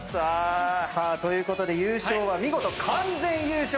さあということで優勝は見事完全優勝